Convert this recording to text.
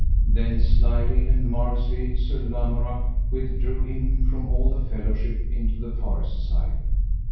Then slyly and marvellously Sir Lamorak withdrew him from all the fellowship into the forest side.